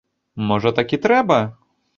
Можа, так і трэба?